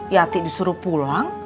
yati disuruh pulang